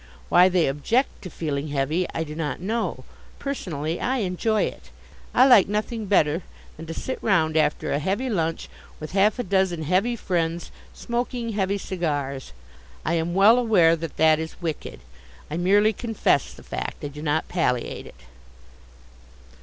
Why they object to feeling heavy, I do not know. Personally, I enjoy it. I like nothing better than to sit round after a heavy lunch with half a dozen heavy friends, smoking heavy cigars. I am well aware that that is wicked. I merely confess the fact. I do not palliate it.